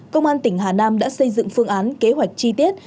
công an tỉnh hà nam đã xây dựng phương án kế hoạch chi tiết